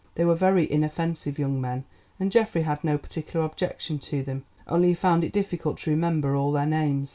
They were very inoffensive young men and Geoffrey had no particular objection to them. Only he found it difficult to remember all their names.